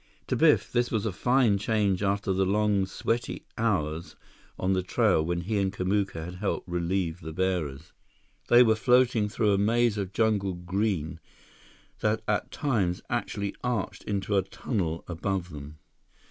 To Biff, this was a fine change after the long, sweaty hours on the trail when he and Kamuka had helped relieve the bearers. They were floating through a maze of jungle green that at times actually arched into a tunnel above them.